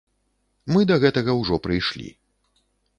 Мы да гэтага ўжо прыйшлі.